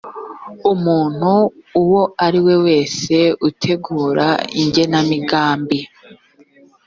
umuntu uwo ari we wese utegura igenamigambi